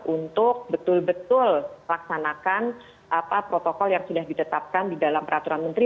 untuk betul betul laksanakan protokol yang sudah ditetapkan di dalam peraturan menteri